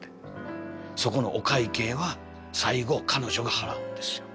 そこのお会計は最後彼女が払うんですよ。